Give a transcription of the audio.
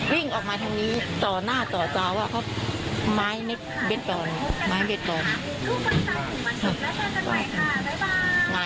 วิ่งออกมาทางนี้มีต่อจาวอะเค้าม้ายเบสตร้อง